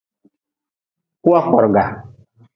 Kua korga.